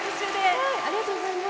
ありがとうございます。